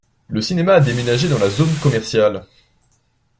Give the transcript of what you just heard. Le cinéma a déménagé dans la zone commerciale.